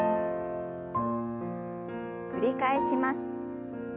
繰り返します。